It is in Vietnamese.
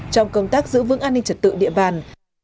trong công tác giữ vững an ninh trật tự địa bàn